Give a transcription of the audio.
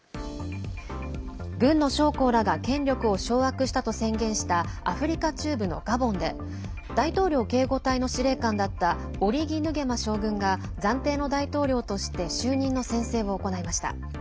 軍の将校らが権力を掌握したと宣言したアフリカ中部のガボンで大統領警護隊の司令官だったオリギ・ヌゲマ将軍が暫定の大統領として就任の宣誓を行いました。